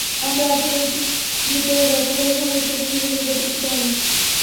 আমরা আশা করছি, মিটারে যাত্রী পরিবহনের বিষয়টি ধীরে ধীরে প্রতিষ্ঠিত হবে।